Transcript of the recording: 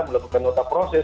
melakukan nota protes